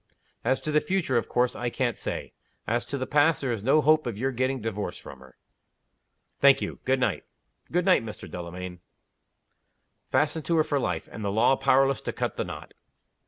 "As to the future, of course I can't say. As to the past, there is no hope of your getting divorced from her." "Thank you. Good night." "Good night, Mr. Delamayn." Fastened to her for life and the law powerless to cut the knot.